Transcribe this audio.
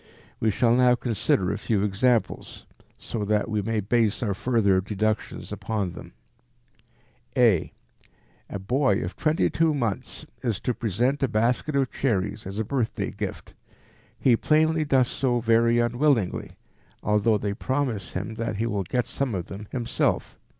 We shall now consider a few examples so that we may base our further deductions upon them. a). A boy of 22 months is to present a basket of cherries as a birthday gift. He plainly does so very unwillingly, although they promise him that he will get some of them himself.